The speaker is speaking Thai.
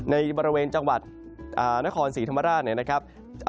ในบริเวณจังหวัดนครศรีธมาศนะครับ